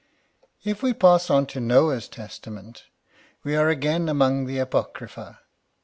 If we pass to Noah's testament, we are again among the apocrypha.